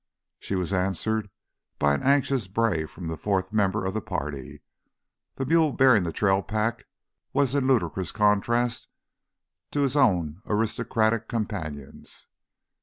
She was answered by an anxious bray from the fourth member of the party. The mule bearing the trail pack was in ludicrous contrast to his own aristocratic companions.